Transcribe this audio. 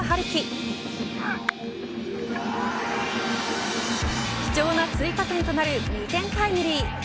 貴重な追加点となる２点タイムリー。